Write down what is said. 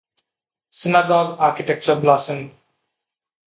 Synagogue architecture blossomed.